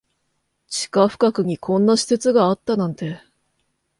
地下深くにこんな施設があったなんて